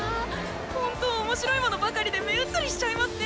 ほんと面白いものばかりで目移りしちゃいますね！